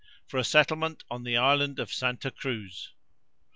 For a settlement on the island of Santa Cruz.